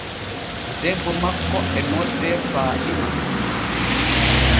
Debbo makko e noddee faaɗima.